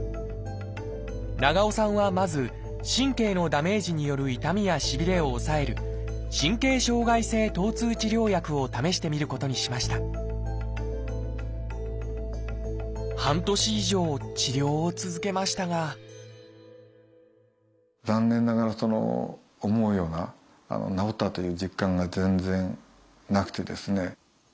長尾さんはまず神経のダメージによる痛みやしびれを抑える「神経障害性疼痛治療薬」を試してみることにしました半年以上治療を続けましたが残念ながら思うような「元気に外へ出たい」。